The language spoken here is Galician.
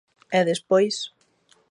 E despois.